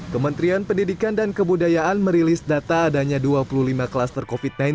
kementerian pendidikan dan kebudayaan merilis data adanya dua puluh lima klaster covid sembilan belas